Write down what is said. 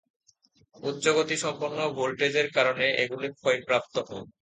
উচ্চগতিসম্পন্ন ভোল্টেজের কারণে এগুলি ক্ষয়প্রাপ্ত হয়।